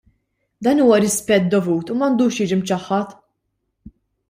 Dan huwa rispett dovut u m'għandux jiġi mċaħħad!